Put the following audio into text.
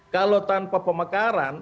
kalau tanpa pemekaran